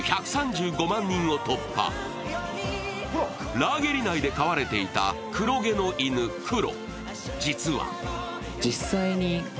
ラーゲリ内で飼われていた黒毛の犬・クロ。